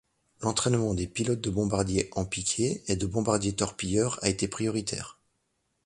L'entraînement des pilotes de bombardiers en piqué et de bombardiers-torpilleurs a été prioritaire.